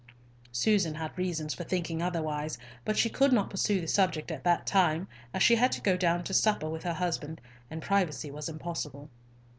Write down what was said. Susan had reasons for thinking otherwise, but she could not pursue the subject at that time, as she had to go down to supper with her husband, and privacy was impossible.